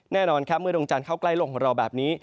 แน่นอนเมื่อดวงจานเข้ากลายโลกของเราแบบนี้